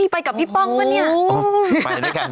ไปกับพี่ป้องป่ะเนี่ย